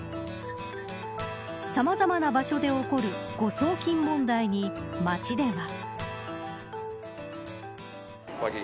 さまざまな場所で起こる誤送金問題に街では。